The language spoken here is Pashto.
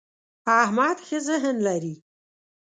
احمد ښه ذهن لري.